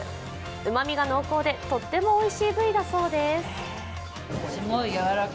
うまみが濃厚でとってもおいしい部位だそうです。